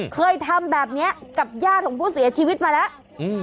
เคยทำแบบนี้กับญาติของผู้เสียชีวิตมาแล้ว